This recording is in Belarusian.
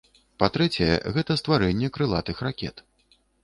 Па-трэцяе, гэта стварэнне крылатых ракет.